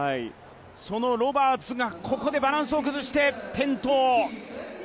そのロバーツがここでバランスを崩して転倒。